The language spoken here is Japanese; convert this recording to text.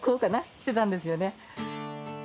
してたんですよね。